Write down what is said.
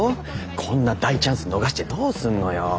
こんな大チャンス逃してどうすんのよ。